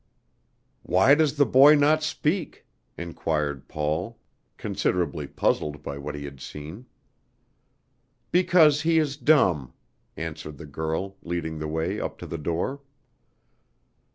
"Why does the boy not speak?" inquired Paul, considerably puzzled by what he had seen. "Because he is dumb," answered the girl, leading the way up to the door.